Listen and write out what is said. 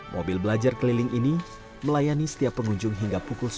mobil belajar keliling ini melayani setiap pengunjung hingga pukul sembilan